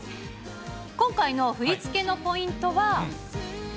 今回の振り付けのポイントは。